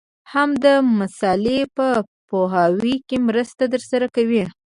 هم د مسألې په پوهاوي کي مرسته درسره کوي.